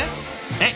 「えっ？